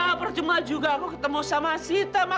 ya perjumlah juga aku ketemu sama sita mak